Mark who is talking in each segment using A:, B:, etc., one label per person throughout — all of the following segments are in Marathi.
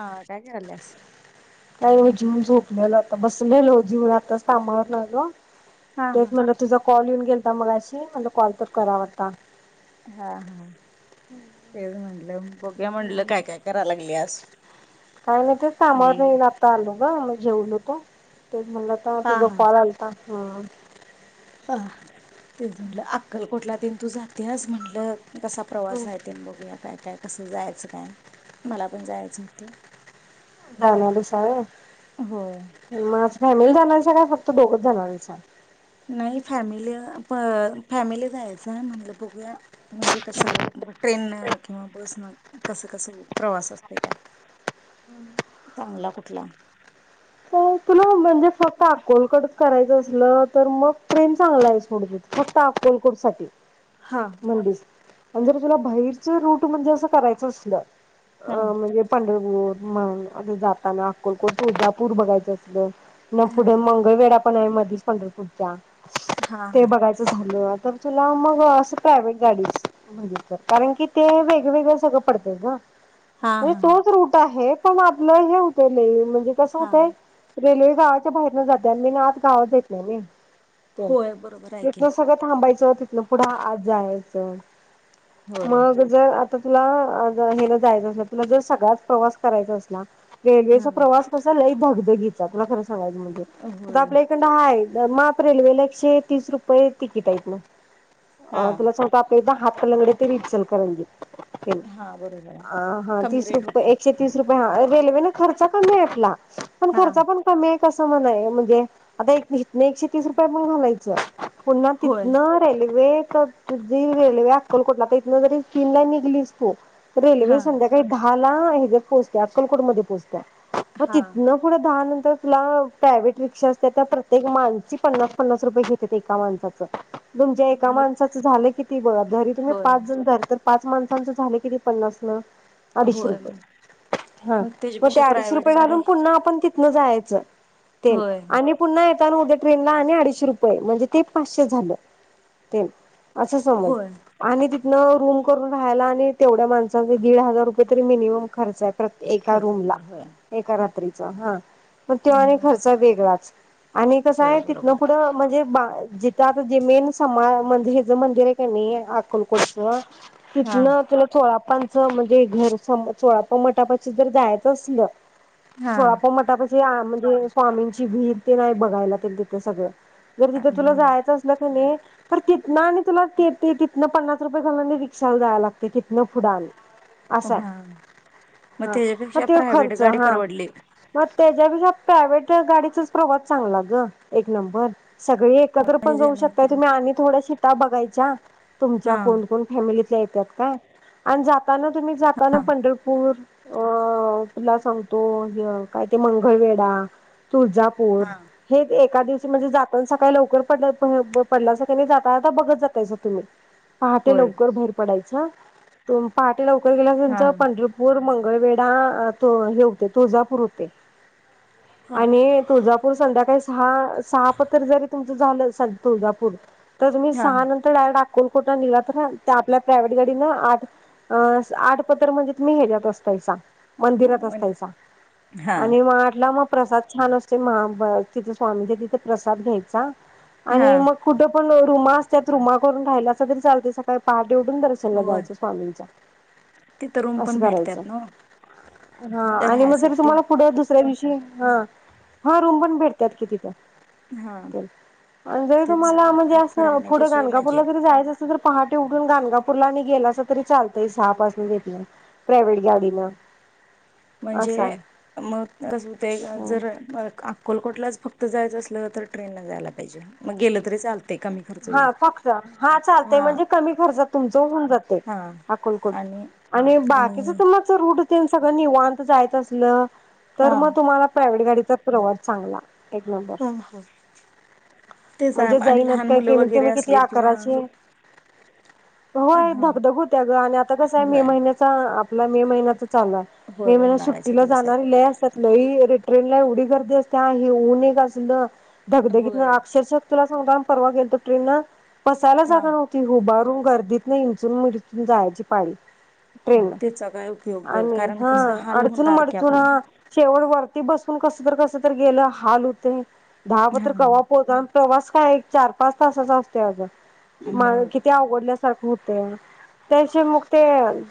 A: हा काय करायल्यास?
B: काय हो जीउन झोपलेलो आता बसलेलो जीऊन आताचं कामावरनं आलो
A: हा
B: तेच
A: हा.
B: म्हनलं तुझा कॉल येउ केलता मगाशी म्हणलं कॉल तर करावा आत्ता.
A: हा-हा तेच म्हण [unintelligible]
B: नाय काय नाय ते
A: म्हटली
B: कामावरून येवून आता आलो ग जेवलो तू तेच म्हणलं आता
A: हा
B: तुझ
A: हा
B: कॉल आलता. हा
A: हा हं तेच म्हटलं अक्कलकोटला ते तू जात्यास म्हणलं कसा प्रवास आहे तेन बघूया काय काय कसं जायचं काय मला पण जायच होतं.
B: जाणार हायसा
A: होय
B: व्हय म आज फॅमिली जाणार ते का फक्त दोघच जाणार हायसा.
A: नाही फॅमिली अ प फॅमिली जायाचं हाय म्हणलं बघूया म्हणजे कसं ट्रेनन किंवा बस न कसं कसं प्रवास असत काय चांगला कुठला
B: तुला म्हणजे फक्त अक्कलकोट करायचं असलं तर मग ट्रेन चांगलं आहे [unintelligible] फक्त अक्कलकोटसाठी
A: हा.
B: मंडिस आणि जर तुला बाहेरच रूट म्हणजे असं करायचं असलं
A: हा
B: अ म्हणजे पंढर पूर मगं आता जाताना अक्कलकोट तुळजापूर बघायचं अस ल म
A: हा
B: पुढ मंगळवेढा [unintelligible] मध्येच पंढरपूरचा
A: हा
B: ते बघायच झाल तर तुला मग असं प्रायव्हेट गाडीच [unintelligible] कारण की ते वेगळवेेगळं सगळं पडत ग
A: हा
B: म्हणजे
A: हा.
B: तोच रूट आहे. पण आपलं हे होतय लय म्हण म्हणजे कसं
A: हा
B: होतंय रेल्वे गावाच्या बाहेरन जाते आणि मी ना आत गावात जाईत नाय व्हय
A: होय बरोबर
B: [unintelligible]
A: आहे की
B: तेथन सगळं थांबायचं तिथन पुढं आत जायांच
A: होय
B: मग जर आत आता तुला आज हेला जायचं असल तुला जर सगळाच प्रवास करायचा असला
A: हा
B: रेल्वेचा प्रवास कसा लई धगधगीत तुला खरं सांगायचं म्हणजेवण आता
A: होय
B: आपला इकडं हा आहे. मॉप रेल्वेला एकशे तीस रुपये तिकिट आहेत बघ.
A: हा
B: अ तुला सांगतो आपले आप दहा हात. कलांगडे ते इचलकरंजी
A: हा बरोबर
B: अ
A: आहे
B: हा
A: कमी
B: तीस
A: रेट
B: रुपये
A: होते
B: एकशे तीस रुपये हा रेल्वे न खर्च कमी येतला
A: हा
B: म कस म्हण आहे म्हणजे आता हित अन् एकशे तीस रुपया पण घालायचं पुन्हा
A: होय
B: तिथन रेल्वे जे रेल्वे अक्कलकोटला आता इथन जरी तीनला निघलीस तू
A: हा
B: रेल्वे संध्याकाळी दहा मला हेच्यात पोचतोय अक्कलकोट मध्ये पोहचत्याय मग
A: हा
B: तिथंन पुढं त्या नंतर तुला प्रायव्हेट रिक्षा असते, त्या प्रत्येक माणसी पन्नास पन्नास रुपये घेत्यात एका माणसाचं. तुमच्या एका
A: मग
B: माणसाचं झालं किती बघ जरी तुम्ही
A: होय
B: पाच जण झाल तर पाच माणसांचं झाले किती पन्नासन अडीशे
A: होय
B: रुपये हा मग ते
A: त्याच्यापेक्षा
B: अडीशे
A: प्रायव्हेट
B: रुपये
A: गाडी
B: घालून पुन्हा आपणं तिथं न जायचं तेण
A: होय
B: आणि पुन्हा [unintelligible] ट्रेनला आणि अडीशे रुपये म्हणजे ते पाचशे झालं ते असं समज
A: होय
B: आणि ति न रूम करून राहायला आणि तेवढ्या माणसासणी दीड हजार रुपये तरी मिनिमम खर्च आहे. परत एका
A: खर्च
B: रूम ला
A: येणार होय
B: एका रात्रीत हां हा मग तो आणि खर्च वेगळाच आणि कसं
A: होय
B: आहे तिथन
A: बरोबर आहे
B: पुढं म्हणजे बा जिथं आता जे मेन समा मंदिर हेज मंदिर आहे कणी अक्कलकोटचं
A: हा
B: तिथंन तुला चोळापा [unintelligible] चोळापा मटापाशी जर जायचं असलं
A: हा
B: चोळापा मठ म्हणजे स्वामींची विहीर तेण आहे बघायला ते तिथं सगळं. जर तिथं तुला
A: हम्म
B: जायचं असलं कनाई परत तिथंन आणि तुला ते तिथलं पन्नास रूपये घालून आणि रिक्षा ला जाय लागते तिथंन पुढं आणि असा
A: हा
B: आहे
A: मग
B: हा मग
A: त्याच्यापेक्षा
B: ते
A: प्रायव्हेट गाडी परवडली.
B: त्यापेक्षा प्रायव्हेट गाडीचाच प्रवास चांगला ग एक नंबर सगळी एकत्र
A: म्हणजे
B: पण जाऊ शकत्याय
A: जेणेकरून
B: तुम्ही आणि थोड्या शिट ता बघायच्या तुमच्या
A: हा
B: कोण कोण फॅमिलीत त्या येत्यात काय आणि जाता येताना तुम्ही जाताना तुम्ही पंढरपूर अ तुला सांगतो ते काय ते मंगळवेढा तुळजापूर
A: हा
B: हे एका दिवशी म्हणजे जाताना सकाळी लवकर पड पड पडलासा त्यानी जाता आता बघत जातायच तुम्ही पहाटे
A: होय
B: लवकर भाहीर पडायच. [unintelligible] लवकर गेला
A: हा
B: याचं पंढरपूर म मंगळवेडा तु हे होतय तुळजापूर ते
A: हा
B: आणि तुळजापूर संध्याकाळी हां सहा पतुर जरी तुमच झालं तुळजापूर तर तुम्ही
A: हा
B: सहा नंतर डायरेक्ट आं कोलकोटला निघला तर आपल्या प्रायव्हेट गाडीनं आठ अ आठ पतुर म्हणजे तुम्ही हे देत असतायसा. मंदिरात असतायचा.
A: हा
B: आणि म आटला मग प्रसाद छान असते महा तिथे स्वामीचे तिथे प्रसाद घ्यायचा
A: हा
B: आणि मग कुठे पण रुमा असतात रुमा करून राहायला तरी चालते सकाळी पाच देवडून दर्शनला ला
A: होय
B: जायचं स्वामींचा
A: तिथं रूम पण भेटत्यात ना राहायसाठी
B: म दुसऱ्या दिवशी हा हा रूम पण भेटतात की तिथं
A: हा
B: आणि जरी
A: तेच
B: तुम्हाला म्हणजे असं
A: राहण्याची
B: पुढं
A: सोय म्हणजे
B: गाणगापूरला जरी जायचं अस जर पहाटे उठून गाणगापूरला आणि गेलासा तरी चालतंय सहा पाासून घेत प्रायव्हेट
A: हा
B: गाडीन
A: म्हणजे
B: असा
A: मग कसं हुतय जर अक्कलकोटला ज फक्त जायचं असलं ना तर ट्रेननं जाय लागतं
B: हा
A: होईल
B: फक्त हा चालतंय म्हणजे कमी खर्चात तुमचं होऊन जातय
A: हा
B: अक्कलकोट
A: आणि
B: आणि बाकीच ते माच रु कुठ तेन सगळं निवांत जायच असलं तर
A: हा
B: मग तुम्हाला प्रायव्हेट गाडीत तो प्रवास चांगला एक नंबर
A: ह ह तेच
B: म्हणजे
A: आणि
B: जाईनात
A: लहान मुलं
B: केलीत ते
A: वगैरे
B: मी किती
A: असलीत किंवा
B: आकाराची होय
A: हा
B: धगधग होत्या ग आणि आता कसय मे
A: होय
B: महिन्याचा आप तुला हे महिन्याच चालूय
A: होय
B: मे महिन्यात सुट्टी
A: उन्हाळ्याच्या
B: ला
A: दिवसात
B: जाणारी लय असत्यात लई अरे ट्रेनला एवढी गर्दी असत्या हे ऊन एक असलं धग धगी तन
A: होय
B: आत तर तुला सांगतो परवा गेलतो ट्रेन न बसायला
A: हा
B: जागा नव्हती उभारुन गर्दीतन इंचून मिरचून जायची पाळी ट्रेन
A: त्याचा काय उपयोग ग
B: आणि
A: कारण
B: हा
A: कसं हाल
B: अडचून
A: होणार की
B: मडचून
A: आपलं
B: हा शेवट वरती बसून कस तर कस तर गेलं हाल होतय दहा
A: हा
B: पतर कवा प्रवास काय एक चार पाच तासाचा असतोय आग म
A: मग
B: किती आवडल्या होतेय त्यापेक्षा म ते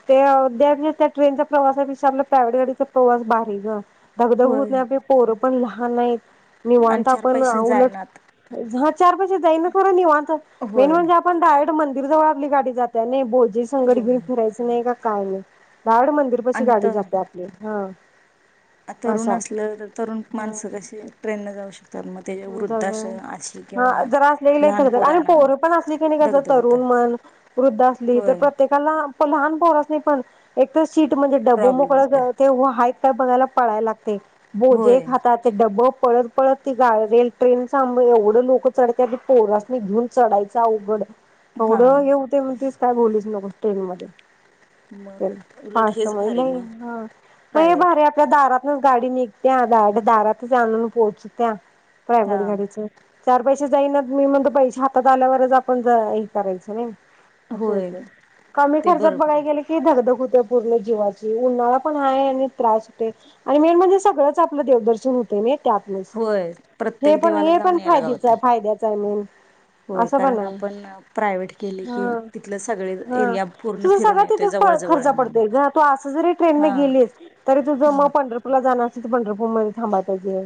B: त्या ट्रेनच्या प्रवासापेक्षा आपला प्रायव्हेट गाडीचा प्रवास भारी ग धगधग हूत
A: होय
B: न पोर पण लहानयत
A: आणि
B: निवांत
A: चार
B: आपण
A: पैसे
B: उलट
A: जायनात
B: ह चार पैसे जाई ना खरं निवांत मेन
A: होय
B: म्हणजे आपण डाटरे मदी दीरी जवळ आपली गाडी जात्या नाय बो जे संगडी
A: होय
B: घेऊन फिरायचं नाय का काय नाय कार्ड मंदिर पशी
A: आणि
B: गाडी
A: तर
B: जात्या आपली ह
A: तरुण असलं तर तरुण मानसं कशी ट्रेन न जाऊ शकतात मग त्याच्या
B: ज
A: वृद्धाश अशी
B: हा
A: किंवा
B: जरा असले
A: लहान
B: ग आणि
A: पोरांना
B: पोर पण असली की नाही कस
A: दगदग होतं
B: तरुण मन वृद्ध असली तर
A: होय
B: प्रत्येकाला लहान पोरासनी पण एक त सीट म्हणजे ड्ब
A: प्रॉब्लेम
B: मोकळ
A: होते
B: ते हो आहेत काय बघाला पळाय लाग ते भोजे
A: होय
B: खाता ते डबप पळत पळत रेल ट्रेन एवढं लोकं चढत्यात आधी पोरासनी घेऊन चढायचं अवघड
A: हा
B: एवढं हे होतय म्हणतीस काय बोलूच नकोस टेन मध्ये तेन
A: मग उलट
B: फास्ट
A: हेच
B: मध्ये
A: भारी
B: नाही
A: मग
B: ह हे
A: प्रायव्हेट
B: भरी आपल्या दारात गाडी निघत्या डायरेक्ट दारात आणुन पोहचत्या
A: हा
B: प्रायव्हेट गाडीच चार पैसे जाईन मी म्हणतो पैसे हातात आल्यावरच आपण हे करायचं नाही असं
A: होय
B: होत कमी
A: ते
B: खर्चात
A: बरं
B: बघाय
A: पडेल
B: गेले की धगधग होती त्या पूर्ण जीवाची उन्हाळा पण आहेा. आणि त्रास होते आणि मेन म्हणजे सगळंच आपलं देवदर्शन होतय नाही. त्या आपलेस
A: होय
B: हे
A: प्रत्येक
B: पण
A: देवाला
B: हे पण
A: जाऊन यायला
B: फायद्याच
A: गावतय
B: फायद्याचं आहे. जाऊन येऊन
A: होय
B: असं पण
A: कारण
B: आहे
A: आपण प्रायव्हेट केले की तिथलं सगळे
B: ह हा
A: एरिया पूर्ण
B: तुझ
A: फिरून
B: सगळ तिथ
A: येतोय जवळ जवळ
B: खर्च
A: आहे म्हणून
B: पडतो तू अस जरी ट्रेनने
A: हा
B: गेलीस तरी तुझ
A: हा
B: मग पंढरपूरला जाणार पंढरपूरमध्ये थांबा पाहिजे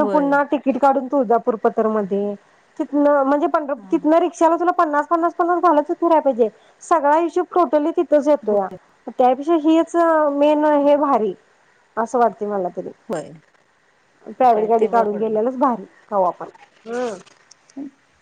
A: होय
B: पुन्हा तिकीट काढून तुळजापूर पतर मध्ये तितन म्हण
A: हा
B: पंढरपूर तिन रिक्षाला तुला पन्नास, पन्नास, पन्नास घालत फिरायला पाहिजे सगळा हिशोब टोटली तिथच
A: हो
B: होतोया त्यापेक्षा हीच मेन हे भारी असं वाटते मला तरी
A: होय काय ते बर
B: गेल्यालाच भारी कवा पण हम्म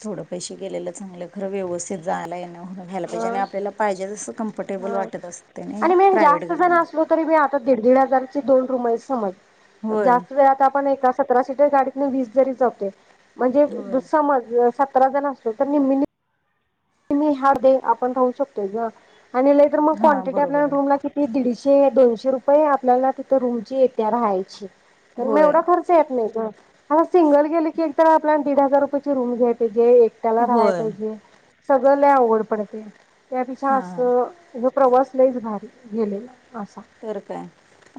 A: थोडं पैसे गेलेलं चांगलं खरं व्यवस्थ जायला व्हायला पाहिजे
B: हा
A: आणि आपल्याला पाहिजे तसं कम्फर्टेबल
B: हा.
A: वाटत असते ना नाही
B: आणि मेन
A: प्रायव्हेट
B: जास्त जण
A: गाडीमध्ये
B: असलो तरी मी आता दीड दीड हजारचे दोन रूम आहे समज
A: होय
B: जास्त वेळात आपण एकाच सतरा सीटर गाडीतून वीस जरी जातो म्हणजे
A: होय
B: तु समज सतरा जण असलो तर निम्मी निम्मी [unintelligible] हा दे आपण राहू शकतोय ग आणि लय तर मग
A: हां
B: क्वांटिटी आपल्या
A: बरोबर आहे
B: रूमला किती दिडीशे एकशे दोनशे रुपये आपल्याला तिथे रुमची येते राहायची पण मग
A: होय
B: एवढा खर्च येत नाही ग. हा सिंगल गेली एक तर आपल्याला दीड हजार रूपयाची रूम घ्याय पाहि जे एकट्याला राह्या
A: होय
B: पाहिजे सगळं ला अवघड पडतय त्या पेक्षा
A: हां हां
B: असं प्रवास लयच भारी गेलंय
A: तर काय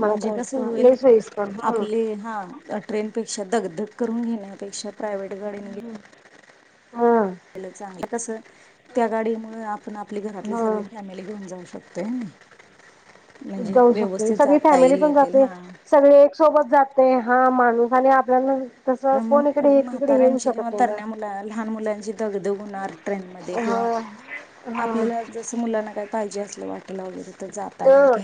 A: म्हणजे कस होईल
B: लई सोयीस्कर हा
A: आपले हा ट्रेनपेक्षा दगदग करून घेण्यापेक्षा प्रावेट गाडी न गे
B: हा
A: पाहिलं चांगलं कसं त्या गाडीमुळे पण आपली घरातली
B: हा
A: सगळी फॅमिली घेऊन जाऊ शकतोय हाय नी
B: जाऊ शकते सगळी
A: जाता
B: फॅमिली
A: येईल
B: पण
A: येतील
B: जाते
A: हा
B: सगळी एक सोबत जाते हा माणूस आणि आपल्याला
A: तर
B: तसं कोण इकडे हे तिकडे येऊ
A: म्हाताऱ्यांची किंवा
B: शकत नाही
A: तरण्या
B: ग
A: मुला लहान मुलांची दगदग होणार ट्रेन मध्ये किंवा
B: होय
A: आपल्याला जसं मुलांना काय पाहिजे अस लवाट
B: अ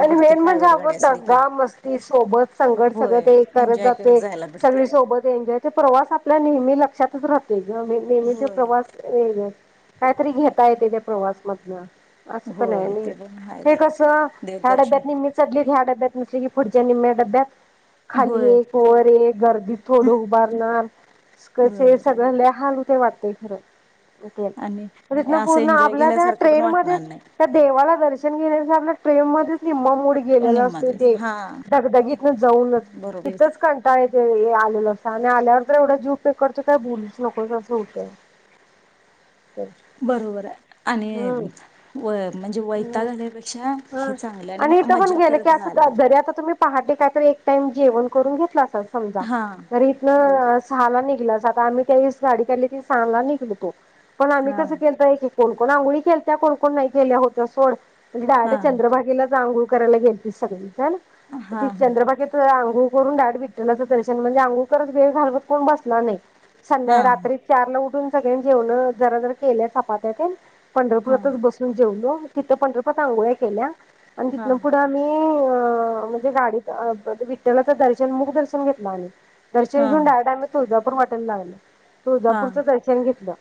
B: आणि
A: भेटते
B: मेन म्हणजे
A: प्रायव्हेट गाडी
B: आत
A: असली की
B: दंगा, मस्ती सोबत संगत सगळं
A: होय
B: ते करत
A: एन्जॉय
B: जाते
A: जायला भेटत
B: सगळी सोबत तो प्रवास आपल्या नेहमी लक्षातच राह नेहमीचा
A: होय
B: प्रवास वेगळे कायतरी घेता येतय त्या प्रवासमधन अस पण हाय
A: होय ते पण
B: [inaudible]
A: आहेच
B: हे कसं ह्या
A: देवदर्शन
B: डब्यातनी मि चढली की डब्यात यात नसल की पुढच्या निम्म्या डब्यात खाली
A: होय
B: एक वर एक गर्दीत थोडं उभारणार कसे
A: बरोबर आहे
B: सगळ
A: की
B: लय हाल होतय वाटत ते खरय
A: आणि
B: तिथन
A: असं
B: पूर्ण
A: एन्जॉय
B: आपल्या त्या
A: केल्यासारखं पण
B: ट्रेन मध्ये
A: वाटणार नाही.
B: त्या देवाला दर्श [inaudible] आपल्या ट्रेन मधेच निम्म मूड गेलेला
A: निम्मा
B: असतोय
A: दिवस
B: ते
A: हा
B: धगधगीत जाऊनच
A: बरोबर
B: तिथच कंटाळ येतोय येआई आणि आल्यावर तर एवढा जीव पेकडतोय काय बोलूच नकों अस होतंय
A: बरोबर आहे आणि
B: हम्म
A: होय म्हणजे वैताग आल्यापेक्षा
B: हा
A: हे चांगलं
B: आणि इथं पण
A: मज्जा
B: गेल की
A: करत जायला
B: असं
A: गावी
B: जरी तुम्ही पहाटे का तर एक टाईम जेवण करून घेतला समजा
A: हा बरोबर
B: इथनं सहाला निघला आता आम्ही त्यादिवशी गाडी काढली की सहाला निघल तो पण आम्ही
A: हा
B: कसं केलतय की कोण-कोण आंघोळी केलत्या कोण-कोण नाही केल्या होत्या सोड म्हणजे
A: हा
B: डायरेट चंद्रभगीलाच आंघोळ करायला गेलती सगळी झालं
A: हा
B: ते चंद्रभागेतून आंघोळ आंघोळ करून डायरेक्ट विठ्ठलाच दर्शन म्हणजे आंघोळ करत वेळ घालवत कोण बसला नाही
A: हा
B: संध्या रात्री चार ला उठून सगळ्यां जेवण जरा जर केल्या चपात्या त्यानं
A: हा हा
B: पंढरपुरातच बसून जेवलो तिथे पण रू त्यात आंघोळ्या केल्या अन्
A: हा
B: तिथन पुढं आम्ही अ म्हणजे गाडीत विठ्ठलाच दर्शन मुख दर्शन घेतल आम्ही दर्शन
A: हा
B: घेऊन डायरेक्ट आम्ही तुळजापूर पण हॉटेल लागलं
A: हा
B: तुळजापूरच दर्शन घेतलं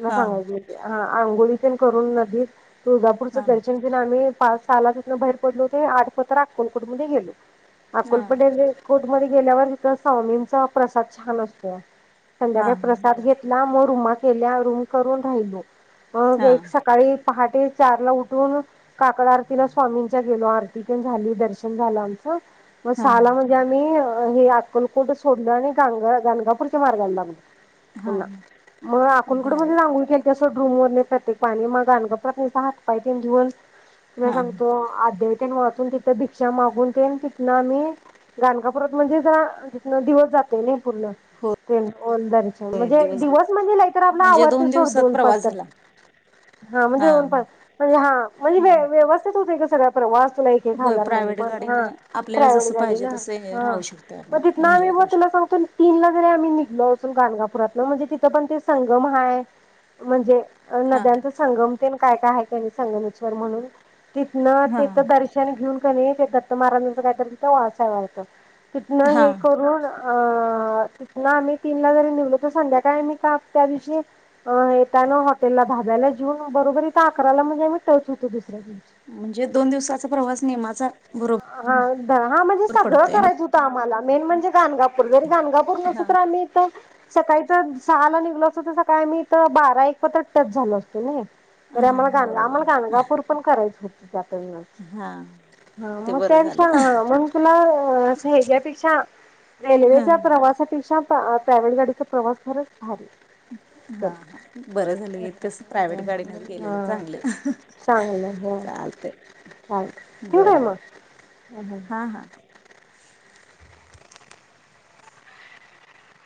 B: म्या
A: हा
B: सांगायला गेलते? आ आंघोळ इथून करून नदीत तुळजापूर तिथं
A: हा
B: दर्शन केलं आम्ही पाच सहाला तिथनं बाहेर पडलो होतंय आठ पोतर अक्कलकोट मध्ये गेलो
A: हा
B: अक्कलकोट मध्ये जे [unintelligible] मध्ये गेल्यावर तिथे स्वामींचा प्रसाद छान असतोया संध्याकाळी
A: हा
B: प्रसाद
A: बरोबर
B: घेतला म रुमा केल्या रूम करून राहिलो अ
A: हा
B: एक सकाळी पहाटे चार ला उठ काकड आरतीला स्वामींच्या गेलो आरती पण झाली दर्शन झालं आम मग
A: हा
B: सहाला म्हणजे आम्ही अ हे अक्कलकोट सोडलं आणि गाणगा गाणगापूर मार्गाला लागलं पुन्हा
A: हा
B: मग अक्कलकोट
A: भार आहे
B: मध्ये आगोळी केलतीया तर रूम वर नाही प्रत्येक पाणी मग गाणगापुरात न सहा पाहितीन [unintelligible] तुला
A: हा
B: सांगतो आध्या वाचून तिथ भिक्षा मागून ते तिथनं आम्ही गणगाकापुरत म्हणजे तिथन दिवस जाते ना फु ते दन दर् म्हणजे दिवस म्हणजे नाही तर आपला
A: म्हणजे
B: आवडते सोड
A: दिवसात
B: दोन पाच
A: प्रवास
B: तर
A: झाला
B: हा म्हणजे दोन पाच म्हणजे हा म्हणजे
A: हा
B: व्यवस्थित होतय सगळाप्रवास
A: होय प्रायव्हेट गाडीनं आपल्याला जसं पाहिजे तसं राहू
B: [unintelligible]
A: शकतोय आपण
B: मग तिथं आम्ही
A: एन्जॉय करू
B: तुला
A: शकतो
B: सांगतो तीनला जरी आम्ही [unintelligible] गणगापुरातलं म्हणजे तिथं पण ते संगम हय म्हणजे
A: हा
B: नद्यांचा संगम काय काय हायत त्यांनी संगमेश्वर म्हणून तिथन
A: हा
B: तिथ दर्शन घेऊन तिथे का नाही दत्त महाराज काहीतरी वाळसाय वाटत तिथन
A: हा
B: हे करून अ तिथ ना आम्ही तीनला जरी निघलो तर संध्याकाळी मी का त्या दिवशी येताना हॉटेलला धाब्याला जेऊन बरोबरी त रायला म्हजे मीच होतो दुसऱ्या दिवशी
A: म्हणजे दोन दिवसाचा प्रवास नेमाचा बरोबर
B: हा हा म्हणजे सगळं
A: पडतोय
B: करायच होतं आम्हाला मेन म्हणजे गानगापूर गाणगापूर नसतं
A: हा
B: तर आम्ही इथं सकाळी तर सहा ला निघलो असतो तर सकाळी आम्ही तर बारा एक पतत टच झालो असतो ना तरी
A: हा
B: आम्हाला गाणगा
A: बरोबर
B: आम्हाला
A: आहे
B: गाणगापूर पण करायचं होत [unintelligible]
A: हा ते
B: मग
A: बरं
B: त्यांचा
A: झालं
B: ह मग तुला ह अस ह्याच्यापेक्षा हा
A: हा
B: रेल्वेच्या प्रवासापेक्षा प्राइवेट गाडीचा प्रवास खरच
A: हा हा बरं झालं इथंच प्रायव्हेट गाडीनेच गेलेलं
B: हा
A: चांगलं.
B: चांगलं हा
A: चालतय
B: चालेल ठेवू काय
A: बरं बर
B: मग?
A: हां हां